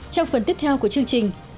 trong phần tiếp theo của chương trình